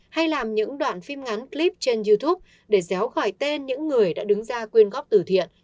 hay làm những đoạn phim ngắn clip trên youtube để réo khỏi tên những người đã đứng ra quyên góp tử thiện